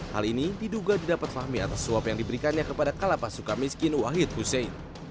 hal ini diduga didapat fahmi atas suap yang diberikannya kepada kalapas suka miskin wahid hussein